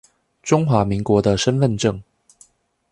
中華民國的身分證